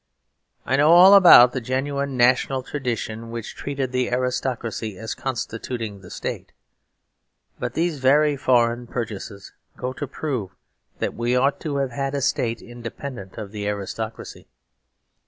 I know all about the genuine national tradition which treated the aristocracy as constituting the state; but these very foreign purchases go to prove that we ought to have had a state independent of the aristocracy.